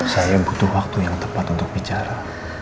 saya butuh waktu yang tepat untuk bicara